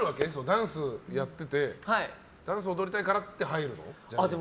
ダンスをやっててダンス踊りたいからって入るの？